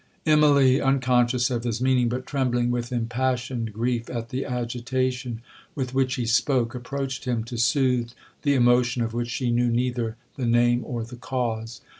'Immalee, unconscious of his meaning, but trembling with impassioned grief at the agitation with which he spoke, approached him to soothe the emotion of which she knew neither the name or the cause.